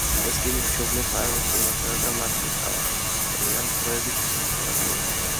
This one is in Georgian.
ეს კი მის მშობლებს არ მოსწონდათ, რადგან მათთვის ავსტრია დროებითი საცხოვრებლი იყო.